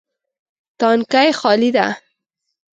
تانکی خالي ده